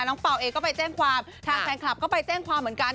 เป่าเองก็ไปแจ้งความทางแฟนคลับก็ไปแจ้งความเหมือนกัน